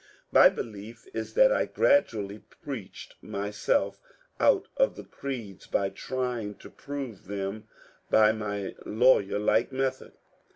My belief is that I gradually preached myself out of the creeds by trying to prove them by my lawyer like method.